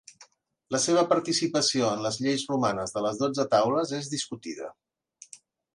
La seva participació en les lleis romanes de les dotze taules és discutida.